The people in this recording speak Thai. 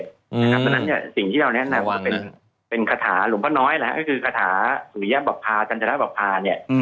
ดังนั้นสิ่งที่เราแนะนำเป็นคาถารุมพะน้อยคือคาถาสุริยะบับภาจันทรัพย์บับภา